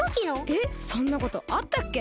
えっそんなことあったっけ？